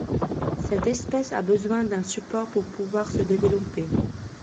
Cette espèce a besoin d'un support pour pouvoir se développer.